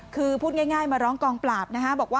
คือพูดง่ายมาร้องกองปราบนะคะ